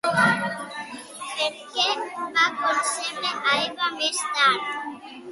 Per què va concebre a Eva més tard?